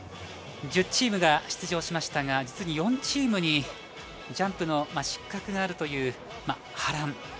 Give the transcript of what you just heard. １０チームが出場しましたが実に４チームにジャンプの失格があるという波乱。